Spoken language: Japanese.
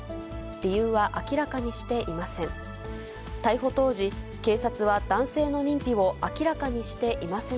理由は明らかにしていません。